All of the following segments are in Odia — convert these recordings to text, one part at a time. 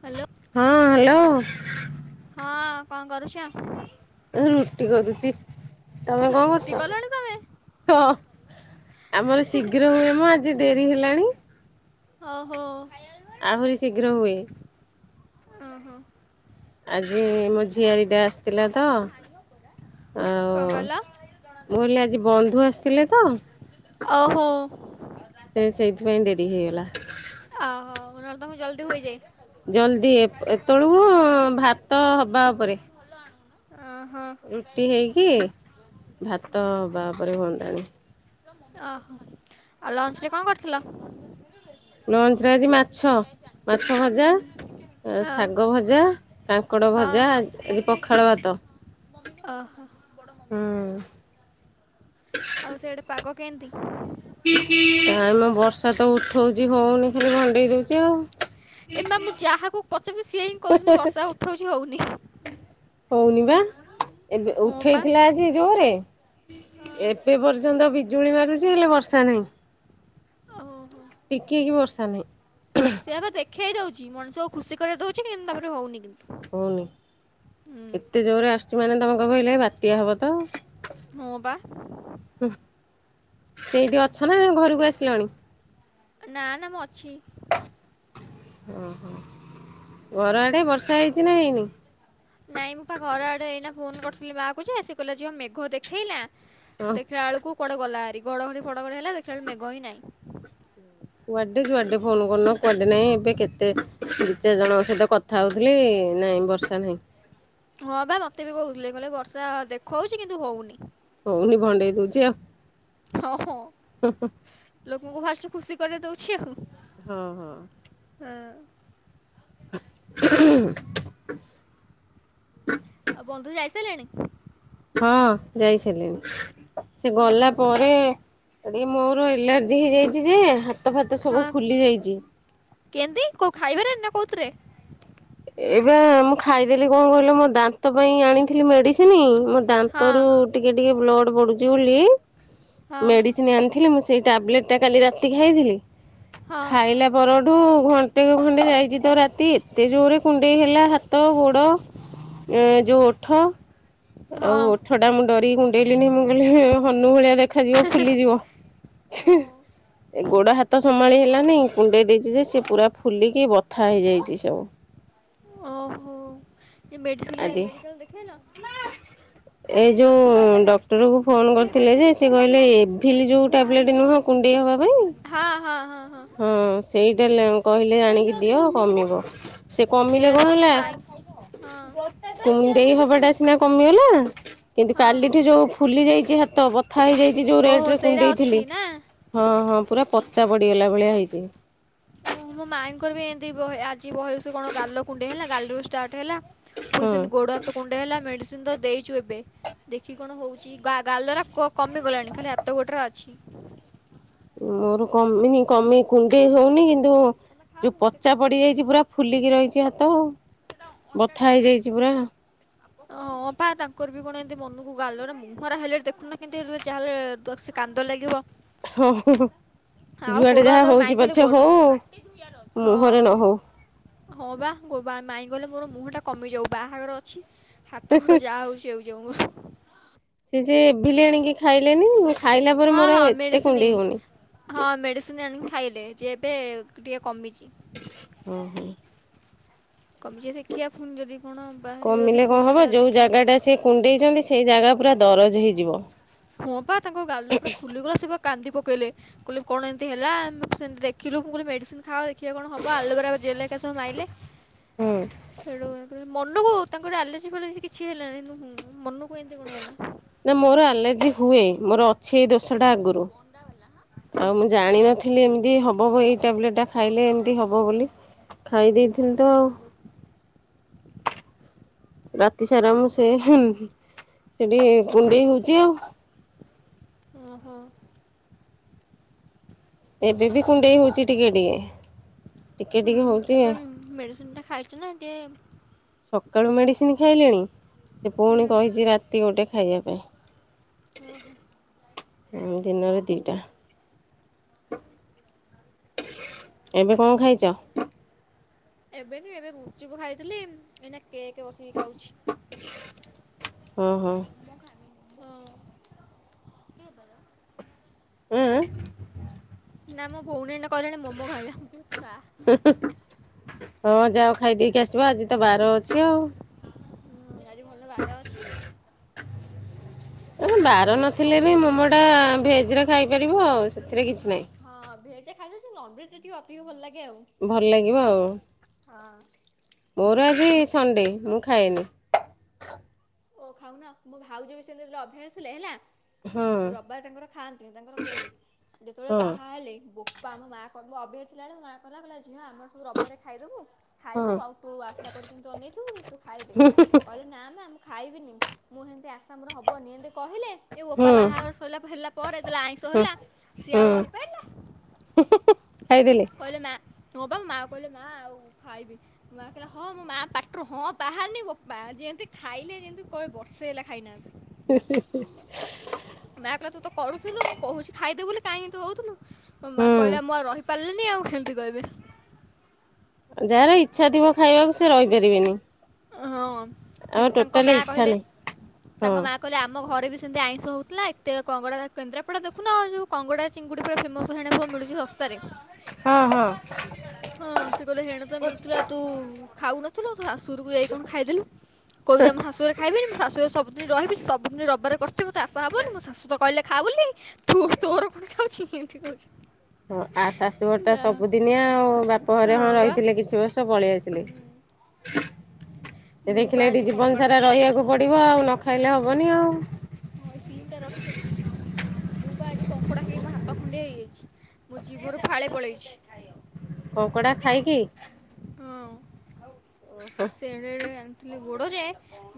ହ୍ୟାଲୋ ହଁ ହାଲୋ। ହଁ କଣ କରୁଛ? ଏଇ ରୁଟି କରୁଚି ତମେ କଣ ରୁଟି କଲଣି ତମେ କରୁଚ? ହଁ ଆମର ଶୀଘ୍ର ହୁଏ ମ ଆଜି ଡେରି ହେଲାଣି। ଓହୋ। ଆହୁରି ଶୀଘ୍ର ହୁଏ। ଓ ହୋ। ଆଜି ମୋ ଝିଆରୀଟା ଆସିଥିଲା ତ କ'ଣ ଆଉ କଲ ମୁଁ କିଇଲି ଆଜି ବନ୍ଧୁ ଆସିଥିଲେ ତ ଅ ହୋ। ସେ ସେଇଥିପାଇଁ ଡେରି ହେଇଗଲା। ଅହୋ ନ ହେଲେ ତମର ଜଲ୍ଦି ହୋଇଯାଏ? ଜଲଦି ଏପ୍ ଏତଳକୁ ଭାତ ହବା ଉପରେ। ଓହୋ ରୁଟି ହେଇକି ଭାତ ହବା ଉପରେ ହୁଅନ୍ତାଣି। ଅହ ଆଉ ଲଞ୍ଚରେ କଣ କରିଥିଲ? ଲଞ୍ଚ ରେ ଆଜି ମାଛ ମାଛ ଭଜା। ଶାଗ ହଁ ଭଜା, କାଙ୍କଡ ଭଜା ହଁ ଆ-ଆଜି ପଖାଳ ଭାତ। ଅହ। ହୁଁ। ଆଉ ସେଠି ପାଗ କେମିତି? ଖାଲି ତ ଉଠଉଚି ହେଉନି ଖାଲି ଭଣ୍ଡେଇ ଦେଉଚି ଆଉ। ଏମା ମୁଁ ଯାହାକୁ ପଚାରି ସିଏ ହିଁ କହୁଚନ୍ତି ବର୍ଷା ଉଠଉଚି ହଉନି। ହଉନି ବା ଏବେ ପା ଉଠେଇଥିଲା ଆଜି ଜୋରେ ଏତେ ପର୍ଯ୍ୟନ୍ତ ବିଜୁଳି ମାରୁଚି ହେଲେ ବର୍ଷା ନାହିଁ। ଓହୋ। ଟିକି କିି ବର୍ଷା ନାହିଁ। ସେଆ ପା ଦେଖେଇ ଦଉଚି, ମଣିଷକୁ ଖୁସିରେ ଦଉଚି କିନ୍ତୁ ତାପରେ ହଉନି କିନ୍ତୁ। ହଉନି। ହୁଁ ଏତେ ଜୋରରେ ଆସୁଚି ମାନେ ତମ କହିବ ଏଇଲେ ବାତ୍ୟା ହବ ତ। ହଁ ବା। ସେଇଠି ଅଛ ନା ଘରକୁ ଆସିଲାଣି? ନା ନା ମୁଁ ଅଛି। ଓହୋ ଘର ଆଡେ ବର୍ଷା ହେଇଚି ନା ହେଇନି? ଘର ଆଡ଼େ ଏଇନା ଫୋନ୍ କରିଥିଲି ମାଆକୁ କହୁଚି ପା ଝିଅ ମେଘ ଦେଖେଇଲା ହଁ ଦେଖିଲା ବେଳକୁ କୁଆଡେ ଗଲା ହରି ଘଡ଼ଘଡ଼ି ଫଡ଼ଘଡ଼ି ହେଲା ଦେଖିଲା ବେଳକୁ ମେଘ ହିଁ ନାହିଁ। କୁଆଡେ କୁଆଡେ ଫୋନ କରୁନ, କୁଆଡେ ନାଇଁ ଏବେ କେତେ ଦି ଚାରି ଜଣଙ୍କ ସହିତ କଥା ହଉ ଥିଲି ନାଇଁ ବର୍ଷା ନାହିଁ। ହଁ ପା ମତେ ବି କହୁଥିଲେ, କହିଲେ ବର୍ଷା ଦେଖଉଚି କିନ୍ତୁ ହଉନି। ହଉନି ଭଣ୍ଡେଇ ଦଉଚି ଆଉ। ହଁ ହଁ ଲୋକଙ୍କୁ ଫାଷ୍ଟ ଖୁସି କରେଇଦଉଚି ଆଉ। ହଁ ହଁ। ଏ [inaudible] ଆଉ ବନ୍ଧୁ ଯାଇସାରିଲେଣି ହଁ ଯାଇ ସାରିଲିଣି ସେ ହଁ ଗଲା ହଁ ପରେ ଏଇ ମୋର ଏଲାର୍ଜି ହେଇଯାଇଚି ଯେ ହାତ ଫାତ ସବୁ ଫୁଲି ଯାଇଚି। କେନ୍ତି କୋଉ ଖାଇବାରେ ନା କୋଉଥିରେ? ଏଇ ବା ମୁଁ ଖାଇଦେଲି କଣ କହିଲ ମୋ ଦାନ୍ତ ପାଇଁ ଆଣିଥିଲି ମେଡିସିନ ମୋ ହଁ ଦାନ୍ତରୁ ଟିକେ ଟିକେ ବ୍ଲଡ ପଡୁଚି ବୋଲି ହଁ ମେଡିସିନ ଆଣିଥିଲି ମୁଁ ସେଇ ଟ୍ୟାବଲେଟା କାଲି ରାତି ଖାଇଥିଲି ହଁ ଖାଇଲା ପର ଠୁ ଘଣ୍ଟେ ଖଣ୍ଡେ ଯାଇଚି ତ ରାତି ଏତେ ଜୋରେ କୁଣ୍ଡେଇ ହେଲା ହାତ ଗୋଡ ଏ ଯୋଉ ଓଠ। ଆଉ ହଁ ଓଠ ଟା ମୁଁ ଡରିକି କୁଣ୍ଡେଇଲିଣନି ମୁଁ କହିଲି ହନୁ ଭଳିଆ ଦେଖାଯିବ ଫୁଲିଯିବ। ହଁ ଏ ଗୋଡ ହାତ ସମ୍ଭାଳି ହେଲା ନାଇଁ କୁଣ୍ଡେଇ ଦେଇଚି ଯେ ସ ପୁରା ଫୁଲିକି ବଥା ହେଇଯାଇଚି ସବୁ। ଓହୋ ଏ ମେଡିସିନ ଆଦି ମେଡିକାଲରେ ଦେଖେଇଲ? ଏ ଯୋଉ ଡକ୍ଟର କୁ ଫୋନ କରିଥିଲେ ଯେ ସେ କହିଲେ ଏଭିଲି ଯୋଉ ଟ୍ୟାବଲେଟ ନୁହଁ କୁଣ୍ଡେଇ ହେବା ପାଇଁ ହଁ ହଁ ହଁ। ହଁ ସେଇଟା କହିଲେ ଆଣିକି ଦିଅ କମିବ। ସେ କମିଲେ ସେଇଆ କଣ ବା ମୋ ହେଲା ମାଇଁ ହଁ। କୁଣ୍ଡେଇ ହବାଟା ସିନା କମିଗଲା କିନ୍ତୁ ହଁ କାଲିଠୁ ଯୋଉ ଫୁଲି ଯାଇଚି ହାତ ବ ଥା ହେଇଯାଇଚି ଯୋଉ ରେଟ ଓହୋ ରେ ସେଇଟା ଅଛି କୁଣ୍ଡେଇଥିଲି ନା ହଁ ହଁ ପୁରା ପଚା ପଡିଗଲା। ଭଳିଆ ହେଇଚି। ଓ ମୋ ମାଇଙ୍କର ବି ଏମିତି ଆ ଚି ବହେ ସେ କଣ ଗାଲ କୁଣ୍ଡେଇ ହେଲା ଗାଲରୁ ଷ୍ଟାର୍ଟ ହେଲା ପୁଣି ହଁ ସେମିତି ଗୋଡ଼ ହାତ କୁଣ୍ଡେଇ ହେଲା ମେଡ଼ିସିନ ତ ଦେଇଚୁ ଏବେ। ଦେଖି କଣ ହଉଚି। ଗା ଗାଲରା କ କମି ଗଲାଣି ଖାଲି ହାତ ଗୋଡ ର ଅଛି। ମୋର କମିନି କମି କୁଣ୍ଡେଇ ହଉନି କିନ୍ତୁ ତମେ ଖାଅ ଯୋଉ ମୁଁ ଗୋଟେ ପଚା ପିସ୍ ପଡି ଖାଇବି ଯାଇଚି ଏଠୁ। ପୁରା ଫୁଲିକି ରହିଚି ହାତ ଆଉ। ବଥା ହେଇଯାଇଚି ପୁରା। ଓ। ହପା ତାଙ୍କର ବି କଣ ଏମିତି ମନକୁ ଗାଲ ମୁହଁରା ହେଲେ ଦେଖୁନା କେମତି ଯାହେଲେ ଯଦିସି କାନ୍ଦ ଲାଗିବ। ହୋ ହୋ ଆଉ ଯୁଆଡେ ଗୋଡ଼ ଯାହା ହାତ ମାଇଁ ହଉଛି କହିଲେ ପଛେ ଗୋଡ଼ ହୋଉ। ହଁ ହଁ ବା ଗୋବା ମାଇଁ ଗଲେ ମୋର ମୁହଁ ଟା କମି ବି ଯୋଉ ବାହାଘର ଅଛି ହାତ ଘୋଡ଼ ଯାହା ହୋଉଚି ଆଉ ଯାଉ ମୋ ସେ ଯେ ଏଭିଲି ଆଣିକି ଖାଇଲେନି। ଖାଇଲା ପରେ ହଁ ମୋର ହଁ ଆଉ ଏତେ ମେଡିସିନ କୁଣ୍ଡେଇ ହଉନି ହଁ ମେଡିସିନ ଆଣି ଖାଇଲେ ଯେ ଏବେ ଟିକେ କମିଚି। ଓହୋ। କମିଚିତ ଦେଖିଆ ପୁଣି ଯଦି କଣ ବାହାରିବ ଯଦି କମିଲେ କଣ ପୁଣି ହବ ଖା ଯୋଉ ଦେଖିବା। ଜାଗା ଟା ସେ କୁଣ୍ଡେଇଚନ୍ତି ସେଇ ଜାଗା ପୁରା ଦରଜ ହେଇଯିବ। ହଁ ପା ତାଙ୍କ ଗାଲ ପୁର ଫୁଲି ଗଲା ସେ ପା କାନ୍ଦି ପକେଇଲେ କହିଲେ କଣ ଏମିତି ହେଲା ସେମିତି ଦେଖିଲୁ ମୁ କହିଲି ମେଡ଼ିସିନ ଖାଅ। ଦେଖିଆ କଣ ହବ ଆଲବେରା ଜେଲ୍ ହେରିକା ସବୁ ମାଇଲେ ହେଟୁ ମନକୁ ତାଙ୍କର ଆଲାର୍ଜି ଫାଲାର୍ଜି କିଛି ହେଲାନି ମନୁ କୁ ଏନ୍ତି କଣ ହେଲା। ନା ମୋର ଆଲର୍ଜି ହୁଏ ମୋର ଅଛି ଏଇ ଦୋଶଟା ଆଗରୁ। ଆଉ ମୁଁ ହଁ, ଜାଣିନଥିଲି ଏମିତି ହବ। ଏଇ ଟାବ୍‌ଲେଟ ଟା ଖାଇଲେ ଏମିତି ହବ ବୋଲି। ଖାଇ ଦେଇଥିଲି ତ ଆଉ। ରାତି ସାରା ମୁଁ ସେ ହୁଁ ହୁଁ। ସେଠି କୁଣ୍ଡେଇ ହଉଛି ଆଉ। ଓହୋ। ଏବେ ବି କୁଣ୍ଡେଇ ହଉଛି ଟିକେ ଟିକେ। ଟିକେ ହୁଁ ଟିକେ ହଉଛି ଏବେ ମେଡିସିନ ଟା ଖାଇଛୁ ନା ଟିକେ ସକାଳୁ ମେଡ଼ିସିନ ଖାଇଲିଣି, ସେ ପୁଣି କହିଛି ରାତି ଗୋଟେ ଖାଇବା ଓହୋ ପାଇଁ। ଦିନରେ ଦିଟା। ହ ଏବେ କଣ ଖାଇଛ? ଏବେ କି ଏବେ ଗୁପ୍ ଚୁପ୍ ଖାଇଥିଲି। ଏଇନା କେକ୍ ବସିକି ଖାଉଛି। ଓହୋ। ହଁ। ଉଁ ଉଁ। ନା ମୋ ଭଉଣୀ ଏଇନେ କହିଲାଣି ମୋମୋ ଖାଇବା। ହଁ ଯାଅ ଖାଇଦେଇକି ଆସିବା। ଆଜି ତ ବାର ଅଛି ଆଉ। ଆଜି ଭଲ ବାର ଅଛି। ସେ ବାର ମୋତେ ନଥିଲେ ବି ସମ୍ବଲପୁର ମୋମୋଟା ଭେଜ୍‌ରେ ଖାଇପାରିବ ଆଉ ସେଥିରେ କିଛି ନାହିଁ। ହଁ ଭେଜ ଖାଇଦୋଉଛି, ନନ୍ ଭେଜ୍ ଟିକେ ଅଧିକ ଭଲ ଲାଗେ। ଆଉ। ଭଲ ଲାଗିବ ଆଉ। ହଁ। ମୋର ଆଜି ସଣ୍ଡେ, ମୁଁ ଖାଏନି। ଓ ଖାଉନା ମୋ ଭାଉଜ ସେମିତି ଅଭିଆରି ଥିଲେ ହେଲା। ହଁ ରବାର ତାଙ୍କର ଖାଆନ୍ତିନି। ତାଙ୍କର କେହି ଯେତେବେଳେ ହଁ। ବାହା ହେଲେ ବୋ କୁ ଆମ ମା କ ଅଭିଆରୀ ଥିଲାବେଳେ ମ ମା କହିଲା ଝିଅ ଆମର ସବୁ ରବିବାରେ ଖାଇଦେବୁ। ଖାଇବୁ, ହଁ ଆଉ ତୁ ଆଶା କରିକି ତୁ ଅନେଇଥିବୁ କି ତୁ ଖାଇଦେ। କହିଲେ ନା ନା ଖାଇବିନି, ମୁଁ ଏମିତି ଆଶା ମୋର ହେବନି। ଏମିତି କହିଲେ। ଏ ହୁଁ ବୋପା, ବାହାଘର ସଇଲା ହେଲା ପରେ ଯେତେବେଳେ ଆଇଁଷ ହୁଁ ହେଲା ସିଏ ଆଉ ହୁଁ ରହିପାରିଲା। ଖାଇଦେଲେ। କହିଲେ ମା ହଁ ବା, ମା କହିଲେ, ମା ଆଉ ଖାଇବି ମାଆ କହିଲେ ହଁ ମୋ ମା ପାଟି ରୁ ହଁ ବାହାରନି ବୋପା ଯିଏ ମିତି ଖାଇଲେ ଯେମିତି କହେ ବର୍ଷେ ହେଲା ଖାଇନାହାନ୍ତି। ହ ହ ନା କଇଲା ତୁ ତ କରୁଥିଲୁ, ମୁଁ କହୁଛି ଖାଇଦେ ବୋଲି କାହିଁ ଏମିତି ହଉଥିଲୁ। ମୋ ମା ହୁଁ। କହିଲା ମୁଁ ଆଉ ରହିପାରିଲିନି ଆଉ ହେମତି କହିବେ। ଯାହାର ଇଚ୍ଛା ଥିବ ଖାଇବାକୁ ସେ ରହିପାରିବେନି। ଏ ହଁ ହେ ଆମର ତାଙ୍କ ଟୋଟାଲି ମାଆ ଇଚ୍ଛା କହିଲେ, ନାହିଁ ତାଙ୍କ ହଁ। ମା କହିଲେ ଆମ ଆମ ଘରେ ବି ସେମିତି ଆଇଁଷ ହଉଥିଲା। ଏତେ କଙ୍କଡା ତା କେନ୍ଦ୍ରାପଡା ଦେଖୁନ ଆ, ଯୋଉ କଙ୍ଗଡା ଚିଙ୍ଗୁଡି ପୁରା ଫେମ ସ ଶେଣେ ବହୁତ ମିଳୁଚି ଶସ୍ତାରେ। ହଁ ହଁ ହଁ, ସେ କହିଲେ ହେଣେ ତ ମିଳୁଥିଲା ତୁ ଖାଉନଥିଲୁ ତ ଶାଶୁ ଘରକୁ ଯାଇ କଣ ଖାଇଦେଲୁ। କହୁଚି ଆମ ଶାଶୁଘରେ ଖାଇବିନି ମୋ ଶାଶୁ ଘରେ ସବୁ ଯେ ରହିବି ସବୁଦିନ ରବିବାର କରିଥିବେ ତୋ ଆଶା ହବନି ମୋ ଶାଶୁ ତ କହିଲେ ଖା ବୋଲି ତୁ ତୋର କଣ ଖାଉଛି। ଏମିତି କହୁଛି। ହଁ ଆ ଶାଶୁଘର ଟା ଯାହା ସବୁଦିନିଆ ଆଉ ବାପ ଘରେ ହଉ। ହଁ ବା ରହିଥିଲେ କିଛି ବର୍ଷ ପଳେଇ ଆସି ହେଲେ। ସେ ମୁଁ ପା ଦେଖିଲେ ଏଇଠି ଆଜି ଜୀବନ କଙ୍କଡ଼ା ସାରା ରହିବାକୁ ପଡିବ ଆଉ। ନ ଖାଇଲେ ହବନି ଆଉ। ହଁ, ଏ ସିମ୍ ଟା ରଖିଥିବେ। ମୁଁ ପା ଆଜି କଙ୍କଡ଼ା ଖାଇ ମୋ ହାତ ଖଣ୍ଡିଆ ହେଇଯାଇଛି। ମୋ ଜୀଭରୁ ଫାଳେ ପଳେଇଛି। କଙ୍କଡା ଖାଇକି ସେ ଏଡେ ଏଡେ ଆ ଥିଲି ଗୋଡ ଯେ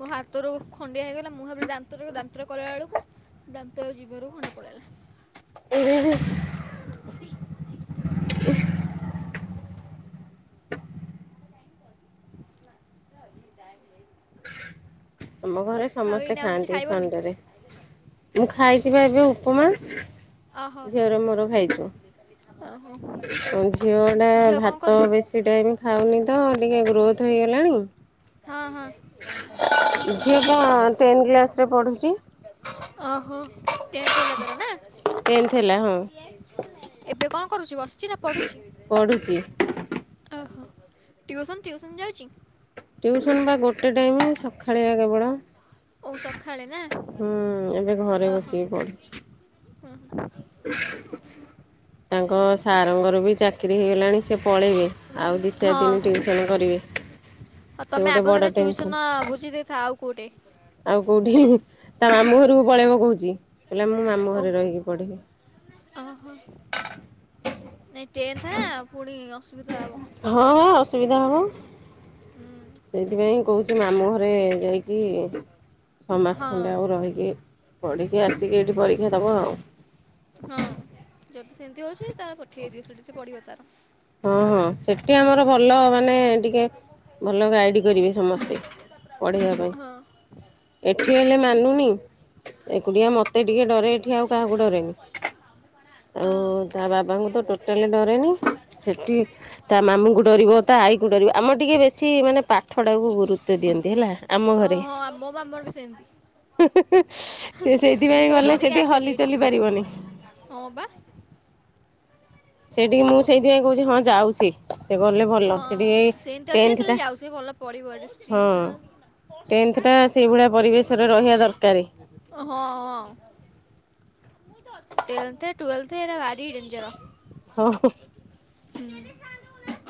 ମୋ ହାତରୁ ଖଣ୍ଡିଆ ହେଇଗଲା ମୁଁ ଭାବିଲି ଦାନ୍ତ ରହିବ। ଦାନ ତ୍ର କଲାବେଳକୁ ଦାନ୍ତ ଜୀଭରୁ ଖଣ୍ଡେ ପଳେଇଲା। ଓ ହୋ, ହୁଁ, ଉଁ, ନା ଚାଲ [unintelligible] ଟାଇମ୍ ହେଇନି। ଆମ ଘରେ ସମସ୍ତେ ଏଇନା ଆଉ କିଛି ଖାଆନ୍ତି ଖାଇବନି ସନଣ୍ଡେ ରେ। ମୁଁ ଖାଇଚି ବା ଏବେ ଉ ଓ ହୋ, ଓ ହୋ। ହଁ ଝିଅ ଟା ଭାତ ବେଶୀ ଟାଇମ୍ ଖାଉନି ତ ଟିକେ ଗ୍ରୋଥ୍ ହେଇଗଲାଣି। ହଁ ହଁ ଝିଅ କଣ ଟେନ୍ କ୍ଲାସ୍ ରେ ପଢୁଚି? ଓହୋ! ଟେନ୍ଥ ହେଲା ତାର ନା? ଟେନ୍ଥ ହେଲା ହଁ ଏବେ କଣ କରୁଚୁ ବସିଚି ନା ପଢୁଚି? ପଢ଼ୁଛି ଓହୋ! ଟିଉସନ୍ ଟିଉସନ୍ ଯାଉଚି? ଟିଉସନ ବା ଗୋଟେ ଟାଇମ୍ ସଖାଳିଆ କେବଳ। ଓ ସକାଳେ ନା ହୁଁ, ଏବେ ଘରେ ବସିକି ପଢୁଛି। ହଁ, ହଁ। ତାଙ୍କ ସାର୍ ଙ୍କର ବି ଚାକିରି ହେଇଗଲାଣି। ସେ ପଳେଇବେ ଆଉ ଦି ଚାରି ଦିନ ଟିଉସନ୍ କରିବେ। ହଁ ସେ ତୋମେ ଗୋଟେ ବଡ଼ ଆଗତରା ଟେନସନ୍ ଟିଉସନ ବୁଝି ଦେଇଥା ଆଉ କୋଉଟେ। ଆଉ କୋଉଠି ତା ମାମୁଁ ଘରକୁ ପଳେଇବ କହୁଛି। କହିଲା ମୁଁ ମାମୁଁ ଓ ଘରେ ରହିକି ପଢ଼ିବି। ନାଇ ଟେନ୍ଥ ନା ପୁଣି ଅସୁ ହଁ ଅସୁବିଧା ହବ ହୁଁ ସେଇଥିପାଇଁ କହୁଚି ମାମୁଁ ଘ ରେ ଯାଇକି ଛଅ ମାସ ହଁ ଖଣ୍ଡେ ଆଉ ରହିକି ପଢିକି ଆସିକି ଏଇଠି ପରୀକ୍ଷା ଦବ ଆଉ। ହଁ ଯଦି ସେମିତି ହଉଛି ତାର ପଠେଇ ଦିଅ ସେଠି ସେ ପଢିବ ତାର। ହଁ ହଁ ସେଟି ଆମର ଭଲ ମାନେ ଟିକେ ଭଲ ଗାଇଡ୍ କରିବେ ସମସ୍ତେ ପଢିବା ପାଇଁ। ହଁ ଏଠି ହେଲେ ମାନୁନି ଏକୁଟିଆ ମୋତେ ଟିକେ ଡରେ ଏଠି ଆଉ କାହାକୁ ଡରେନି। ଆଉ ହଁ। ତା ବାବାଙ୍କୁ ତ ଟୋଟାଲି ଡରେନି। ସେଟି ତା ମାମୁଁଙ୍କୁ ଡରିବ। ତା ଆଇକୁ ଡରିବ। ଆମ ଟିକେ ବେଶୀ ମାନେ ପାଠଟାକୁ ଗୁରୁତ୍ୱ ଦିଅନ୍ତି ହେଲା। ଆମ ଘରେ। ଓହୋ ଆ, ମୋ ବା ଆମର ବି ସେମତି। ସେ ସେଇଥିପାଇଁ ଗଲେ ଡରିକି ସେଠି ଆସେନି ହଲି ଏଠିକି ଚଲି ପାରିବନି। ହଁ ବା। ସେଇଠିକି ମୁଁ ସେଇଥିପାଇଁ କହୁଚି ହଁ ଯାଉ ସିଏ। ହଁ ସେମିତି ଅସ ଯାଉସ ଭଲ ପଡିବ ଏଟା ଷ୍ଟ୍ରିଟ୍ ଟା। ଟେଂଥ ଟା ସେଇଭଳିଆ ପରିବେଶରେ ରହିବା ଦରକାର। ହଁ ହଁ। ଟେଂଥ ଟ୍ୱଏଲଥ ଏଇରାଭାରି ଡେଞ୍ଜର। ହଁ ହ। ହୁଁ।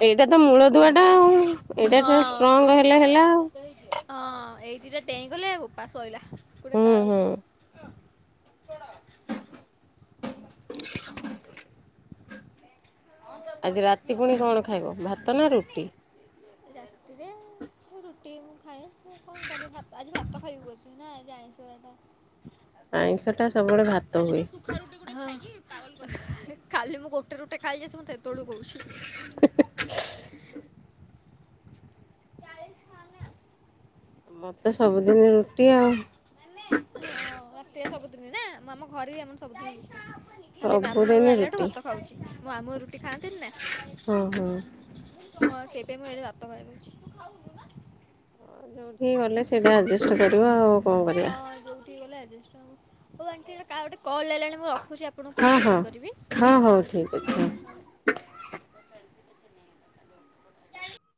ଏଇଟା ତ ମୂଳ ଦୁଆ ଟା ଆଉ ଏଇଟା ହଁ ଟିକେ ହଁ ଷ୍ଟ୍ରଙ୍ଗ ହେଲେ ହେଲା ଆଉ। ଦିଟା ଡେଂଇଗଲେ ବୋପା ସଲା ଗୋଟେ ହୁଁ କାଳ ହୁଁ। ଯିବ। [unintelligible] ଆଜି ରାତି ପୁଣି କଣ ଖାଇବ ଭାତ ନା ରୁଟି? ରାତିରେ? [inaudible] ରୁଟି ମୁଁ ଖାଏ କଣ କରିବି ଭାତ ଆଜି ଭାତ ଖାଇବୁ ବୋଧେ? ନା ଆଜି ଆଇଁସ ବାରଟା। ଆଇଁଷ ଟା ସବୁବେଳେ ଭାତ କାଲି ହୁଏ। ତ ସୁଖା ରୁଟି ଗୁଡା ଖାଇକି। [unintelligible] ଖାଲି ମୁ ଗୋଟେ ରୁଟେ ଖାଇଚି ସେ ମତେ ସେତେ ବେଳୁ କହୁଛି। ମତେ ସବୁଦିନ ରୁଟି ଆଉ। ଓ ଏ ସବୁଦିନେ ନା ଆମ ଘରେ ବି ଆମ ସବୁଦିନ। ଖାଲି ମାମୁଁ ଘରୁ ସବୁଦିନ ଆଇଲାଠୁ ରୁଟି। ଭାତ ଖାଉଛି। ମଁ ମାମୁଁ ର ଖାନ୍ତି ନା ହଁ ହଁ। ହଁ ହଁ ସେପେଇଁ ମୁ ଏଠି ଭା [unintelligible] ତୁ ଖାଉନୁ ନା। ହେଇ ଗଲେ ସେଇଟା ଆଡଜଷ୍ଟ କରିବା ଆଉ କଣ କରିବା? ହଁ [unintelligible] କଲ୍ ଆଲାଣି ମୁଁ ରଖୁଛି ଆପଣଙ୍କୁ ହଁ ପଛେ ହଁ। ଫୋନ୍ କରିବି ହଁ ହଉ ଠିକ୍ ଅଛି ହଉ। [inaudible]